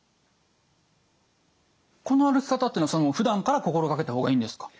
この歩き方っていうのはふだんから心掛けた方がいいんですか？